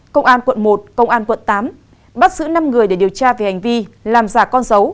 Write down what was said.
công an quận một công an quận tám bắt giữ năm người để điều tra về hành vi làm giả con dấu